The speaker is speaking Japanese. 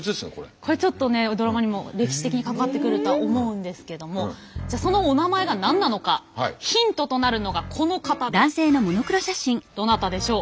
これちょっとねドラマにも歴史的に関わってくるとは思うんですけどもじゃそのおなまえが何なのかヒントとなるのがこの方です。